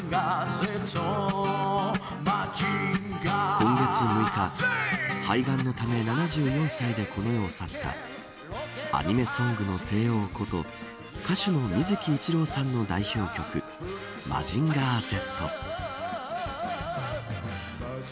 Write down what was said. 今月６日肺がんのため７４歳でこの世を去ったアニメソングの帝王こと歌手の水木一郎さんの代表曲マジンガーＺ。